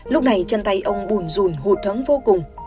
lúc này chân tay ông bùn rùn hụt hứng vô cùng